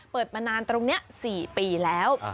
เปิดมานานตรงนี้๔ปีแล้ว